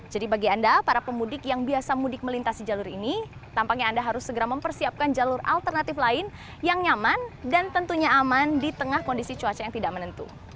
jadi bagi anda para pemudik yang biasa mudik melintasi jalur ini tampaknya anda harus segera mempersiapkan jalur alternatif lain yang nyaman dan tentunya aman di tengah kondisi cuaca yang tidak menentu